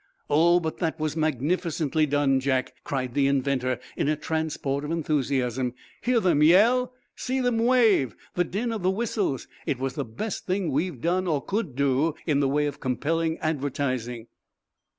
"Oh, but that was magnificently done, Jack!" cried the inventor, in a transport of enthusiasm. "Hear them yell! See them wave! The din of the whistles! It was the best thing we've done or could do in the way of compelling advertising!"